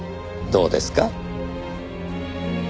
どうですか？